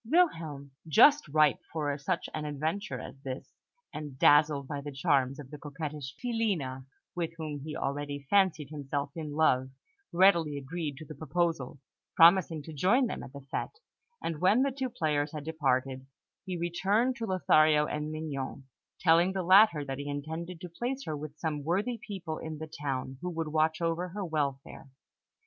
Wilhelm, just ripe for such an adventure as this, and dazzled by the charms of the coquettish Filina, with whom he already fancied himself in love, readily agreed to the proposal, promising to join them at the fête; and when the two players had departed, he returned to Lothario and Mignon, telling the latter that he intended to place her with some worthy people in the town, who would watch over her welfare.